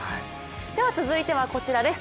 続いてはこちらです